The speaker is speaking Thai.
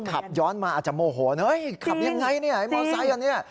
ตอนขับย้อนมาอาจจะโมโหขับยังไงให้มอเตอร์ไซต์อันนี้